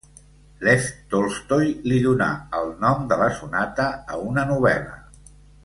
Lev Tolstoi li donà el nom de la sonata a una novel·la.